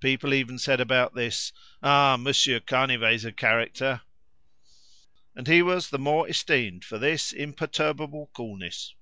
People even said about this "Ah! Monsieur Canivet's a character!" And he was the more esteemed for this imperturbable coolness.